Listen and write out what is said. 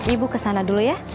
ibu kesana dulu ya